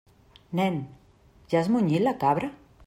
Nen, ja has munyit la cabra?